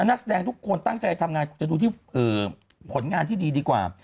นักแสดงทุกคนตั้งใจทำงานคุณจะดูที่ผลงานที่ดีดีกว่า